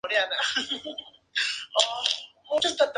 Esta escuela está administrada por las Hermanas Franciscanas.